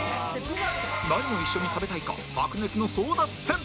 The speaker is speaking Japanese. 何を一緒に食べたいか白熱の争奪戦！